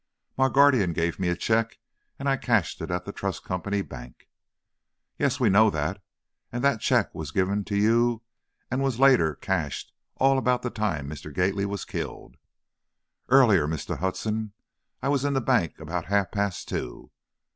My guardian gave me a check and I cashed it at the Trust Company Bank." "Yes, we know that; and that the check was given to you, and was later cashed, all at about the time Mr. Gately was killed." "Earlier Mr. Hudson. I was in the bank about half past two."